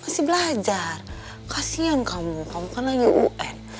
masih belajar kasian kamu kamu kan lagi un